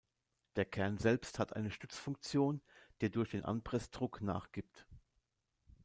Der Kern selbst hat eine Stützfunktion, der durch den Anpressdruck nachgibt.